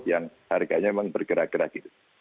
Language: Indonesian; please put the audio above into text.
yang harganya memang bergerak gerak gitu